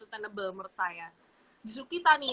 sustainable menurut saya justru kita nih